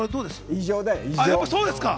異常だよ。